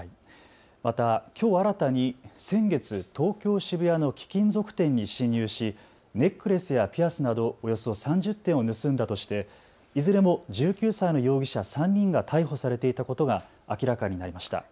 また、きょう新たに先月、東京渋谷の貴金属店に侵入しネックレスやピアスなどおよそ３０点を盗んだとして、いずれも１９歳の容疑者３人が逮捕されていたことが明らかになりました。